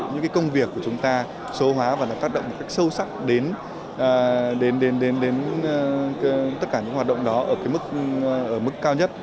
những công việc của chúng ta số hóa và tác động sâu sắc đến tất cả những hoạt động đó ở mức cao nhất